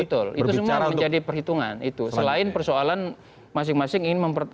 betul itu semua menjadi perhitungan itu selain persoalan masing masing ingin memper